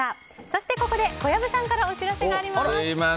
そして、ここで小籔さんからお知らせがあります。